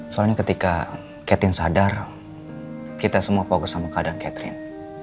soalnya ketika cathentine sadar kita semua fokus sama keadaan catherine